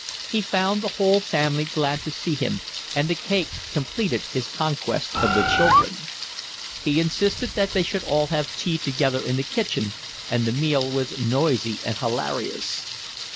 He found the whole family glad to see him, and the cake completed his conquest of the children. He insisted that they should all have tea together in the kitchen, and the meal was noisy and hilarious.